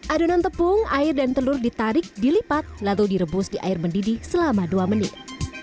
adonan tepung air dan telur ditarik dilipat lalu direbus di air mendidih selama dua menit